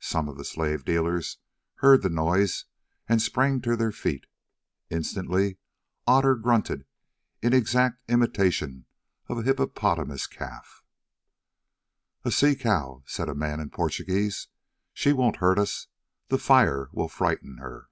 Some of the slave dealers heard the noise and sprang to their feet. Instantly Otter grunted in exact imitation of a hippopotamus calf. "A sea cow," said a man in Portuguese. "She won't hurt us. The fire will frighten her."